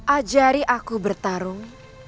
ajari aku bertarung